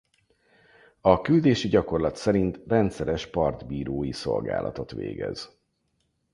A küldési gyakorlat szerint rendszeres partbírói szolgálatot végez.